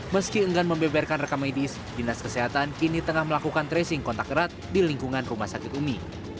meski enggan membeberkan rekam medis dinas kesehatan kini tengah melakukan tracing kontak erat di lingkungan rumah sakit umi